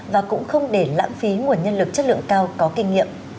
và cũng không để lãng phí nguồn nhân lực chất lượng cao có kinh nghiệm